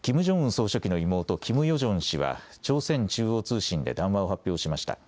総書記の妹キム・ヨジョン氏は朝鮮中央通信で談話を発表しました。